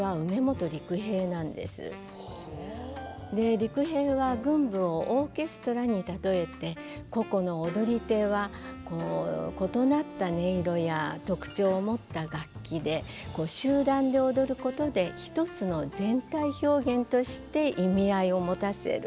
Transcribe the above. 陸平は群舞をオーケストラにたとえて個々の踊り手は異なった音色や特徴を持った楽器で集団で踊ることでひとつの全体表現として意味合いを持たせる。